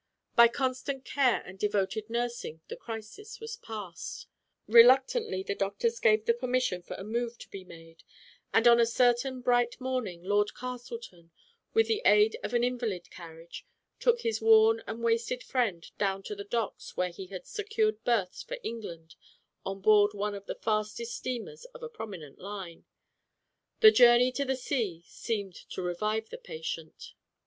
By constant care and devoted nurs ing the crisis was past. Reluctantly the doctors gave the permission for a move to be made, and on a certain bright morning Lord Castleton, with Digitized by Google CLEMENT SCOTT, 229 the aid of an invalid carriage, took his worn and wasted friend down to the docks, where he had secured berths for England on board one of the fastest steamers of a prominent line. The jour ney to the sea seemed to revive the patient.